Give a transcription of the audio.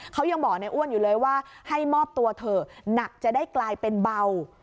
เขายังบอกในอ้วนอยู่เลยว่าให้มอบตัวเถอะหนักจะได้กลายเป็นเบา